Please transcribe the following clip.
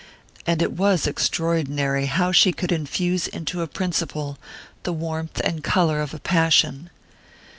And it was extraordinary how she could infuse into a principle the warmth and colour of a passion!